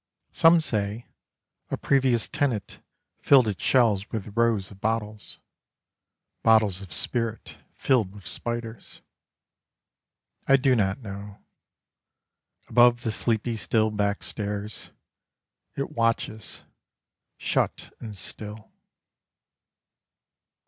Some say, a previous tenant Filled its shelves with rows of bottles, Bottles of spirit, filled with spiders. I do not know. Above the sleepy still back stairs, It watches, shut and still.